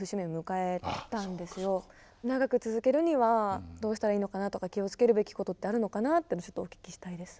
長く続けるにはどうしたらいいのかなとか気を付けるべきことってあるのかなっていうのをお聞きしたいです。